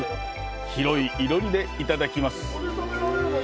広いいろりでいただきます。